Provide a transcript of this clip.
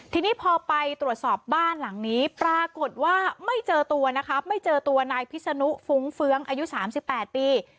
ทีนี้พอไปตรวจสอบบ้านหลังนี้ปรากฏว่าไม่เจอตัวนะคะไม่เจอตัวนายพิษนุฟุ้งเฟื้องอายุ๓๘ปี